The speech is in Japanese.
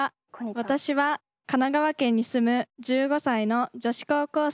・私は神奈川県に住む１５歳の女子高校生です。